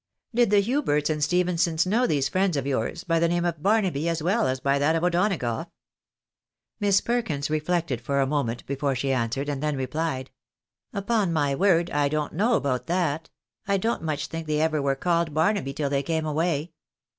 " Did the Huberts and Stephensons know these friends of yours by the name of Barnaby as well as by that of O'Donagough ?" Miss Perkins reflected for a moment before she answered, and then replied— " Upon my word I don't know about that — I don't much think they ever were called Barnaby till they came away."